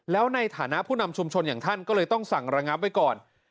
แล้วในฐานะผู้นำชุมชนอย่างท่านก็เลยต้องสั่งระงับไว้ก่อน